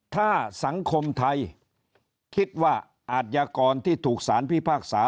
ถ้าสังคมไทยคิดว่าอัตยกรที่ถูกศาลพภาคศา